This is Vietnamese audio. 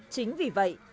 chính vì vậy